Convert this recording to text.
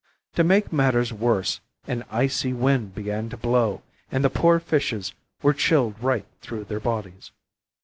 To make matters worse, an icy wind began to blow, and the poor fishes were chilled right through their bodies.